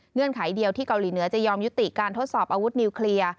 ไขเดียวที่เกาหลีเหนือจะยอมยุติการทดสอบอาวุธนิวเคลียร์